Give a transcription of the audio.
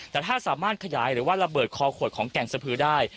แต่ถ้าสามารถขยายหรือว่าระเบิดคอขวดของแก่งสะพือได้